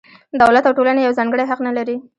دولت او ټولنه یو ځانګړی حق نه لري.